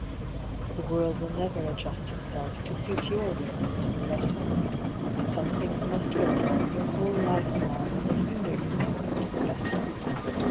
The world will never adjust itself To suit your whims to the letter. Some things must go wrong your whole life long, And the sooner you know it the better.